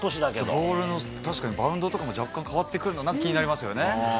ボールの確かにバウンドとかも、若干変わってくるような気になりますよね。